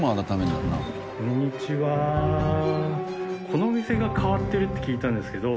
このお店が変わってるって聞いたんですけど。